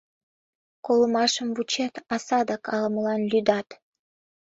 Колымашым вучет, а садак ала-молан лӱдат...